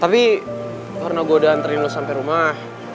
tapi karena gue udah nganterin lo sampe rumah